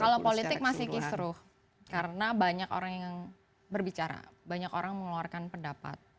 kalau politik masih kisruh karena banyak orang yang berbicara banyak orang mengeluarkan pendapat